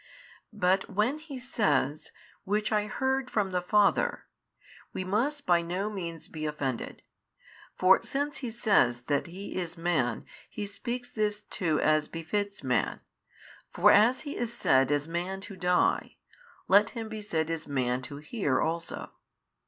But when He says, Which I heard from the Father, we must by no means be offended. For since He says that |640 He is Man, He speaks this too as befits man: for as He is said as Man to die, let Him be said as Man to hear also.